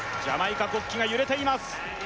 ジャマイカ国旗が揺れています